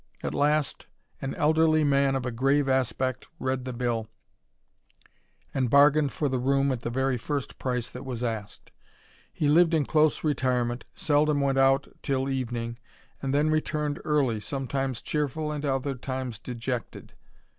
At last, an elderly man of a grave aspect read the bill, and bargained for the room at the very first price that was asked. He lived in close retirement^ seldom went out till evening, and then returned early, sometimes cheerful, and at other times dejected.